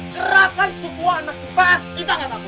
keratkan sukuan meski pas kita gak takut